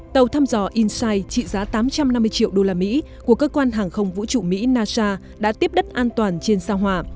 tàu thăm dò insight trị giá tám trăm năm mươi triệu đô la mỹ của cơ quan hàng không vũ trụ mỹ nasa đã tiếp đất an toàn trên sao hỏa